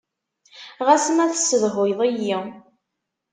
Ɣas ma tessedhuyeḍ-iyi.